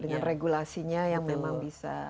dengan regulasinya yang memang bisa